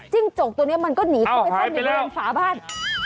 จิ๊กจุกตัวนี้มันก็หนีเข้าไปส้มอยู่บนฝาบ้าน